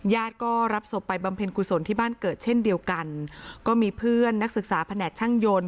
ญาติก็รับศพไปบำเพ็ญกุศลที่บ้านเกิดเช่นเดียวกันก็มีเพื่อนนักศึกษาแผนกช่างยนต์